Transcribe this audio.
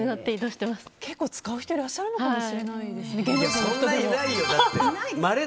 結構使う方いらっしゃるのかもしれませんね。